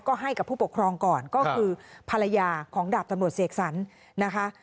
ก็ให้กับผู้ปกครองก่อนก็คือภรรยาของดาบตำรวจเสกสรรนะคะ